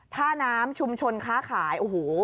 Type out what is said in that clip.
ท่าน้ำชุมชนค้าขาย